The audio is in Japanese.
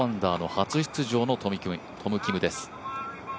初出場のトム・キムです。